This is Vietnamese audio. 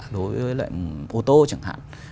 đối với ô tô chẳng hạn